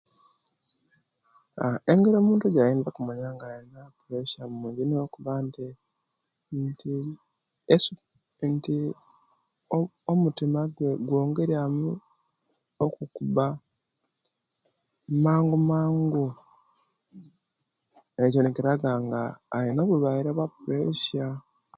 Aah engeri omuntu ejainza kubona nti alina opuresia mungi niyo okuba nti ntii nti omutima gwe gwongelyamu okukuba mangumangu ekyo nikiraga nag alina obulwaire bo puresia.